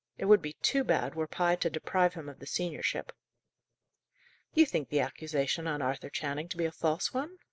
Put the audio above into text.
It would be too bad were Pye to deprive him of the seniorship!" "You think the accusation on Arthur Channing to be a false one?"